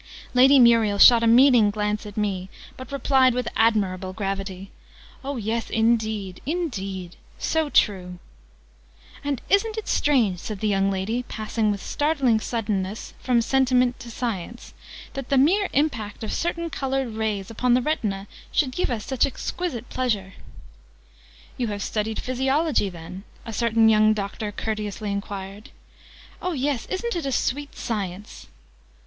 Lady Muriel shot a meaning glance at me; but replied with admirable gravity. "Oh yes indeed, indeed! So true!" "And isn't strange," said the young lady, passing with startling suddenness from Sentiment to Science, "that the mere impact of certain coloured rays upon the Retina should give us such exquisite pleasure?" "You have studied Physiology, then?" a certain young Doctor courteously enquired. "Oh, yes! Isn't it a sweet Science?"